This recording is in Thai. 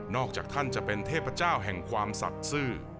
นอกจากท่านจะเป็นเทพเจ้าแห่งความสัตสื่อ